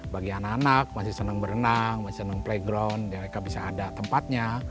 bagi anak anak masih senang berenang masih senang playground mereka bisa ada tempatnya